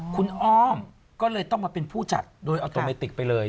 คุณอ้อมก็เลยต้องมาเป็นผู้จัดโดยออโตเมติกไปเลย